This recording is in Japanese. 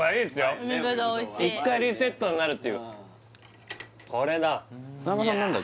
１回リセットになるっていうこれだ田中さん